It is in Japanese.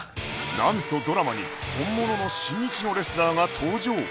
なんとドラマに本物の新日のレスラーが登場